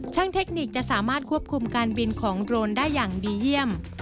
เทคนิคจะสามารถควบคุมการบินของโดรนได้อย่างดีเยี่ยม